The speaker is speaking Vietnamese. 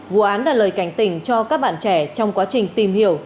vụ án là lời cảnh tỉnh cho các bạn trẻ trong quá trình tìm hiểu